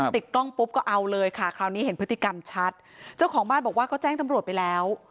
ติดกล้องปุ๊บก็เอาเลยค่ะคราวนี้เห็นพฤติกรรมชัดเจ้าของบ้านบอกว่าก็แจ้งตำรวจไปแล้ว